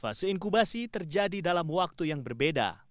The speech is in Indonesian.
fase inkubasi terjadi dalam waktu yang berbeda